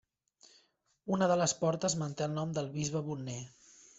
Una de les portes manté el nom del bisbe Bonner.